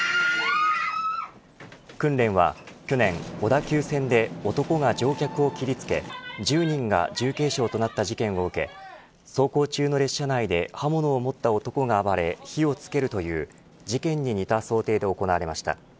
訓練は去年、小田急線で男が乗客を切りつけ１０人が重軽傷となった事件を受け走行中の列車内で刃物を持った男が暴れ火をつけるという事件に似た想定で行われました。